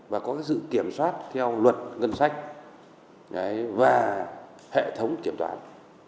và có sự kiểm soát theo luật ngân sách và hệ thống kiểm toán